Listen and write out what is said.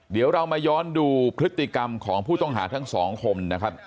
เดี๋ยวเรามาย้อนดูพฤติกรรมของผู้ต้องหาทั้งสองคนนะครับ